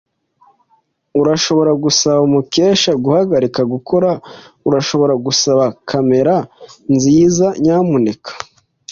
Urashobora gusaba Mukesha guhagarika gukora? Urashobora gusaba kamera nziza, nyamuneka?